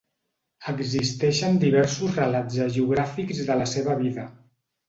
Existeixen diversos relats hagiogràfics de la seva vida.